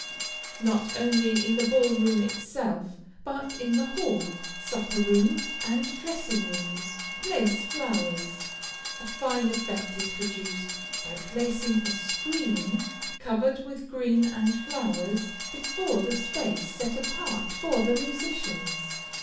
Not only in the ball room itself, but in the hall, supper room, and dressing rooms, place flowers. A fine effect is produced, by placing a screen, covered with green and flowers, before the space set apart for the musicians.